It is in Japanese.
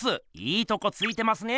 いいとこついてますね。